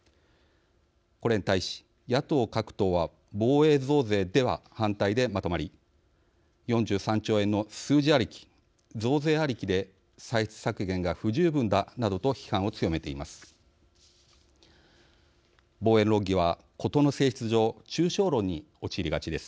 これに対し、野党各党は防衛増税では、反対でまとまり４３兆円の数字ありき増税ありきで歳出削減が不十分だなどと批判を強めています。